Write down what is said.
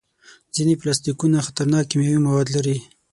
ځینې پلاستيکونه خطرناک کیمیاوي مواد لري.